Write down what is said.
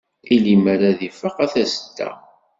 I limer ad aɣ-ifaq a Tasedda?